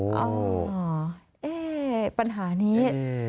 เอ้าปัญหานี้